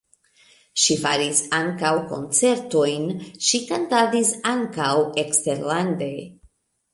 Ŝi faris ankaŭ koncertojn, ŝi kantadis ankaŭ eksterlande.